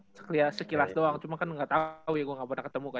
kalo gue liat sekilas doang cuma kan gak tau ya gue gak pernah ketemu kan